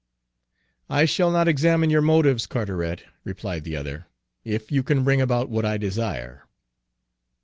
"I shall not examine your motives, Carteret," replied the other, "if you can bring about what I desire."